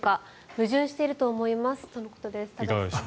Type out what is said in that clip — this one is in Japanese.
矛盾していると思いますとのことです。